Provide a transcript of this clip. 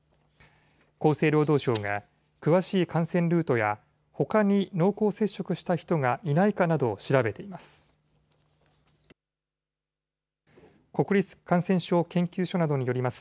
厚生労働省が詳しい感染ルートやほかに濃厚接触した人がいないかなどを調べています。